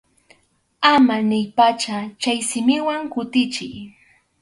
Ama niypacha chay simiwan kutichiy.